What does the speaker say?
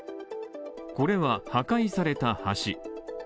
これは、破壊された橋。